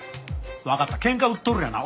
わかった喧嘩売っとるんやな。